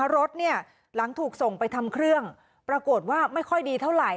รถเนี่ยหลังถูกส่งไปทำเครื่องปรากฏว่าไม่ค่อยดีเท่าไหร่